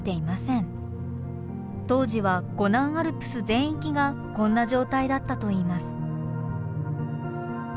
当時は湖南アルプス全域がこんな状態だったといいます。